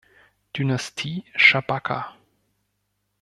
Dynastie, Schabaka.